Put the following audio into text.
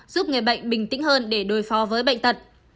giúp người bệnh bình tĩnh hơn để đối phó với bệnh tật